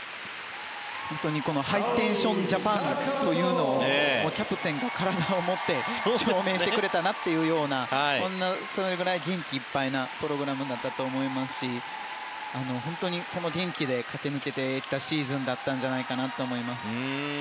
本当にこのハイテンションジャパンというのをキャプテンが体をもって証明してくれたなというようなそれぐらい元気いっぱいのプログラムだったと思いますし本当に元気で駆け抜けてきたシーズンだったんじゃないかと思います。